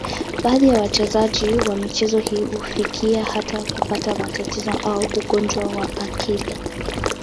Baadhi ya wachezaji wa michezo hii hufikia hata kupata matatizo au ugonjwa wa akili.